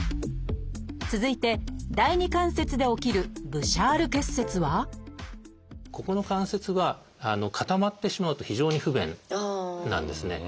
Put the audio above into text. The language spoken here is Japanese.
続いて第二関節で起きる「ブシャール結節」はここの関節は固まってしまうと非常に不便なんですね。